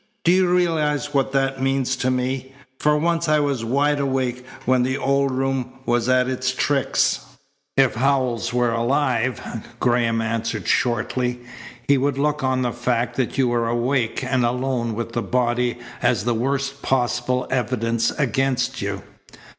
Do you realize what that means to me? For once I was wide awake when the old room was at its tricks." "If Howells were alive," Graham answered shortly, "he would look on the fact that you were awake and alone with the body as the worst possible evidence against you."